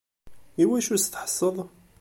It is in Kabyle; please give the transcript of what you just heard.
Iwacu i s-tḥesseḍ?